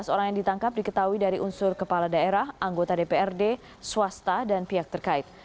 sebelas orang yang ditangkap diketahui dari unsur kepala daerah anggota dprd swasta dan pihak terkait